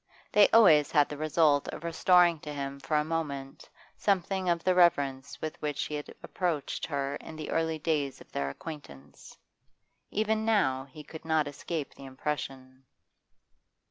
They always had the result of restoring to him for a moment something of the reverence with which he had approached her in the early days of their acquaintance. Even now he could not escape the impression.